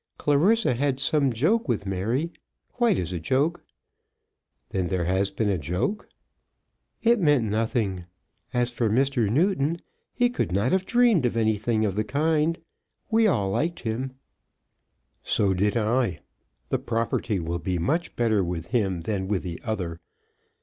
Clarissa had some joke with Mary, quite as a joke." "Then there has been a joke?" "It meant nothing. And as for Mr. Newton, he could not have dreamed of anything of the kind. We all liked him." "So did I. The property will be much better with him than with the other.